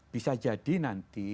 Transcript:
bisa jadi nanti